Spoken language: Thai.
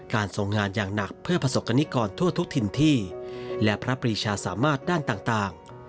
ทรงงานอย่างหนักเพื่อประสบกรณิกรทั่วทุกถิ่นที่และพระปรีชาสามารถด้านต่าง